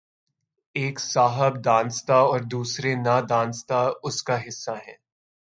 ایک صاحب دانستہ اور دوسرے نادانستہ اس کا حصہ ہیں۔